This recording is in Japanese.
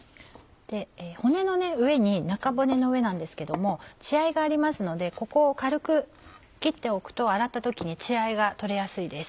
骨の上に中骨の上なんですけども血合いがありますのでここを軽く切っておくと洗った時に血合いが取れやすいです。